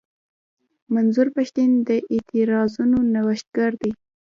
منظور پښتين د اعتراضونو نوښتګر دی.